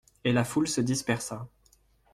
Et la foule se dispersa.